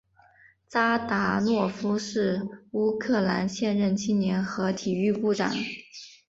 扎达诺夫是乌克兰现任青年和体育部长。